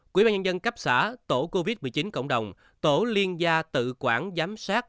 quỹ ban nhân dân cấp xã tổ covid một mươi chín cộng đồng tổ liên gia tự quản giám sát